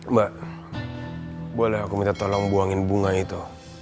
mbak boleh aku minta tolong buangin bunga itu